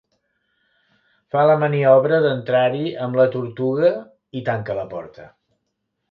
Fa la maniobra d'entrar-hi amb la tortuga i tanca la porta.